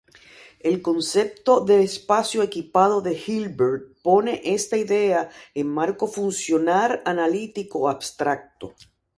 El concepto del espacio equipado de Hilbert pone esta idea en marco funcional-analítico abstracto.